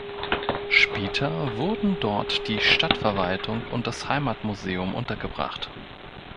Später wurden dort die Stadtverwaltung und das Heimatmuseum untergebracht.